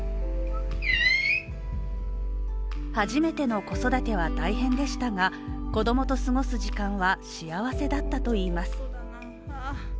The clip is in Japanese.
初めての子育ては大変でしたが、子供と過ごす時間は幸せだったといいます。